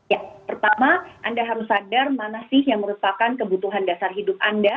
ya pertama anda harus sadar mana sih yang merupakan kebutuhan dasar hidup anda